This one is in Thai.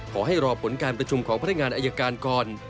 ขอให้รอผลการประชุมของพนักงานอายการก่อน